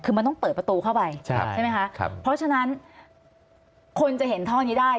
คือมันต้องเปิดประตูเข้าไปใช่ไหมคะเพราะฉะนั้นคนจะเห็นท่อนี้ได้